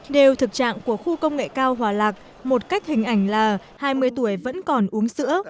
đều thực trạng của khu công nghệ cao hòa lạc một cách hình ảnh là hai mươi tuổi vẫn còn uống sữa